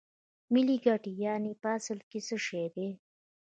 ملي ګټې یانې په اصل کې څه شی دي